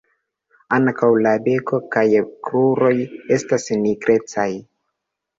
Ankaŭ la beko kaj kruroj estas nigrecaj.